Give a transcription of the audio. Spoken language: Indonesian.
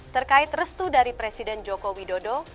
terkait restu dari presiden joko widodo